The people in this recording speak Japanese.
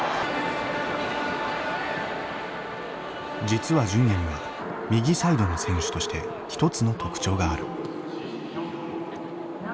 実は純也には右サイドの選手として一つの特徴がある。